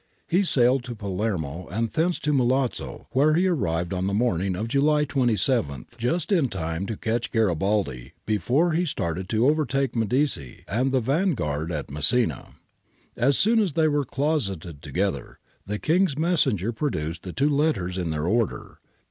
He sailed to Palermo and thence to Milazzo, where he arrived on the morning of July 27, just in time to catch Garibaldi before he started to over take Medici and the vanguard at Messina. As soon as they were closeted together, the King's messenger pro duced the two letters in their order.